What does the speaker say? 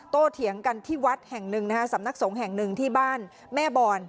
เถียงกันที่วัดแห่งหนึ่งนะฮะสำนักสงฆ์แห่งหนึ่งที่บ้านแม่บอน